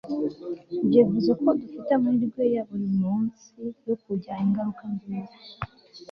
ibyo bivuze ko dufite amahirwe ya buri munsi yo kugira ingaruka nziza